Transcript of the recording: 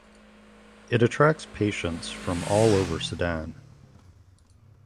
It attract patients from all over Sudan.